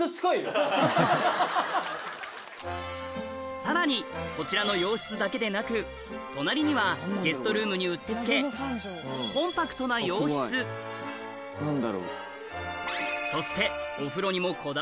さらにこちらの洋室だけでなく隣にはゲストルームにうってつけコンパクトなそしてお風呂だ。